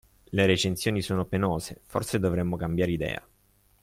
Le recensioni sono penose, forse dovremmo cambiare idea.